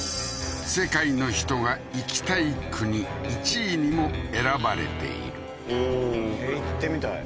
世界の人が行きたい国１位にも選ばれているおおー行ってみたい